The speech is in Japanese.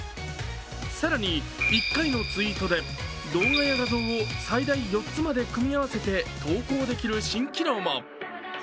更に１回のツイートで動画や画像を最大４つまで組み合わせて投稿できる新機能も。